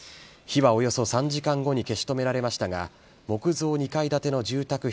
火はおよそ３時間後に消し止められましたが木造２階建ての住宅